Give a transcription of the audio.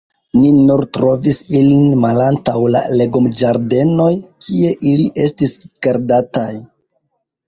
Ni nur trovis ilin malantaŭ la legomĝardenoj, kie ili estis gardataj.